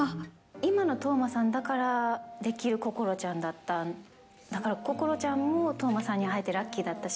今の當真さんだからできるこころちゃんだった、だからこころちゃんも當真さんに会えてラッキーだったし。